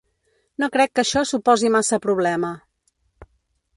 No crec que això suposi massa problema.